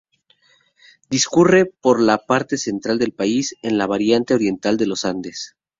Discurre por la parte central del país, en la vertiente oriental de los Andes.